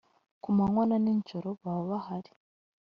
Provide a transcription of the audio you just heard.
ku manywa na ni njoro baba bahari